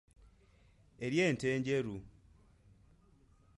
Ery'ente enjeru.